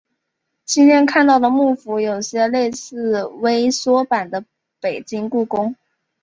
今天看到的木府有些类似微缩版的北京故宫。